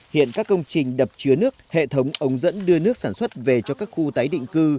hiện các công trình đập chứa nước hệ thống ống dẫn đưa nước sản xuất về cho các khu tái định cư